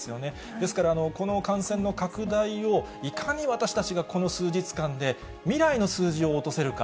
ですから、この感染の拡大を、いかに私たちが、この数日間で未来の数字を落とせるか。